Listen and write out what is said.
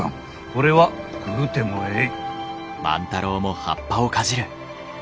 これは食うてもえい。